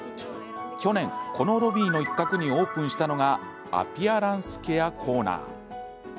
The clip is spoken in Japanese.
去年、このロビーの一角にオープンしたのがアピアランスケアコーナー。